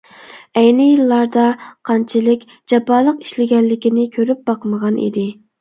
ئەينى يىللاردا قانچىلىك جاپالىق ئىشلىگەنلىكىنى كۆرۈپ باقمىغان ئىدى.